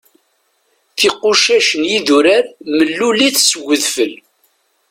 Tiqucac n yidurar mellulit seg udfel.